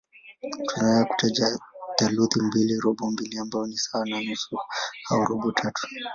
Tunaweza kutaja theluthi mbili, robo mbili ambayo ni sawa na nusu au robo tatu.